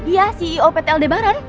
iya ceo pt aldebaran